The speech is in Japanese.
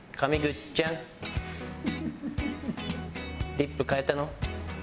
リップ変えたの？